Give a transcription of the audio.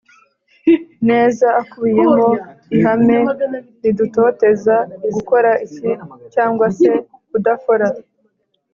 neza, akubiyemo ihame ridutoza gukora iki cyangwa se kudakora